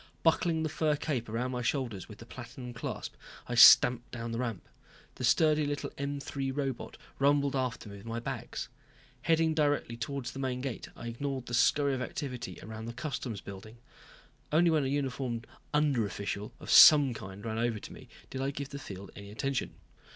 Buckling the fur cape around my shoulders with the platinum clasp, I stamped down the ramp. The sturdy little M 3 robot rumbled after me with my bags. Heading directly towards the main gate, I ignored the scurry of activity around the customs building. Only when a uniformed under official of some kind ran over to me, did I give the field any attention.